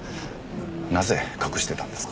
なぜ隠してたんですか？